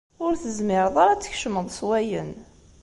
Ur tezmireḍ ara ad tkecmeḍ s wayen.